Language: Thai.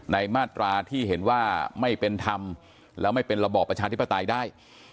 มาตราที่เห็นว่าไม่เป็นธรรมแล้วไม่เป็นระบอบประชาธิปไตยได้